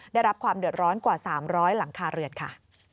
ได้รับความเดือดร้อนกว่า๓๐๐หลังคาเรือนค่ะ